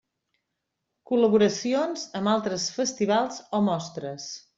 Col·laboracions amb altres festivals o mostres.